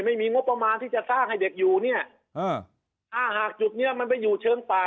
ไม่มีงบประมาณที่จะสร้างให้เด็กอยู่เนี่ยอ่าถ้าหากจุดเนี้ยมันไปอยู่เชิงป่า